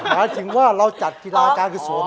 หมายถึงว่าเราจัดกีฬาการกุศล